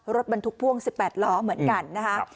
รถบรรทุกพ่วง๑๘ล้อเหมือนกันนะคะ